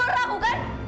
itu ular aku kan